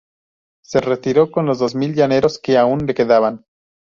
Se retiró con los dos mil llaneros que aun le quedaban.